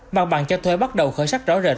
mặt bằng cho thuê bắt đầu khởi sắc rõ rệt